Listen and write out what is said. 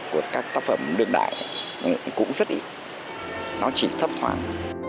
của các tác phẩm đương đại cũng rất ít nó chỉ thấp thoáng